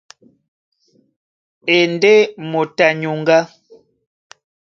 A e ndé moto a nyuŋgá.